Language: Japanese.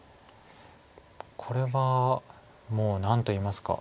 これはもう何といいますか。